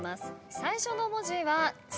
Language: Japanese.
最初の文字は「つ」